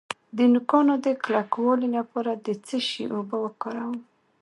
د نوکانو د کلکوالي لپاره د څه شي اوبه وکاروم؟